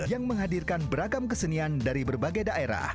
yang menghadirkan beragam kesenian dari berbagai daerah